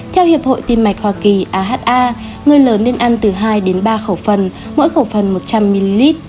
theo hiệp hội tim mạch hoa kỳ aha người lớn nên ăn từ hai đến ba khẩu phần mỗi khẩu phần một trăm linh ml